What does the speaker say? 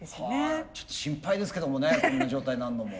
ちょっと心配ですけどもねこんな状態になるのも。